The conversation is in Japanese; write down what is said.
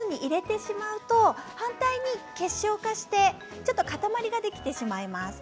冷蔵室に入れてしまうと反対に結晶化して塊ができてしまいます。